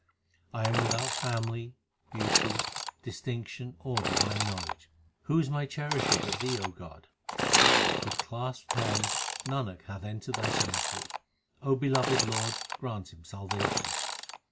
I am without family, beauty, distinction, or divine know ledge ; who is my cherisher but Thee, O God ? With clasped hands Nanak hath entered Thy sanctuary ; O beloved Lord, grant him salvation.